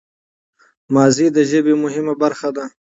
ماضي د ژبي مهمه برخه ده.